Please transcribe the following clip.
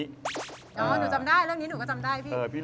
หนูจำได้เรื่องนี้หนูก็จำได้พี่